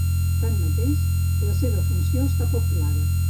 Tanmateix, la seva funció està poc clara.